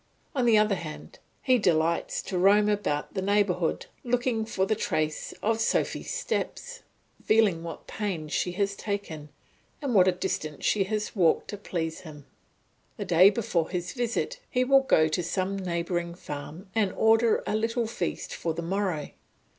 On the other hand, he delights to roam about the neighbourhood, looking for the trace of Sophy's steps, feeling what pains she has taken and what a distance she has walked to please him. The day before his visit, he will go to some neighbouring farm and order a little feast for the morrow.